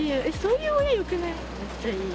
めっちゃいい。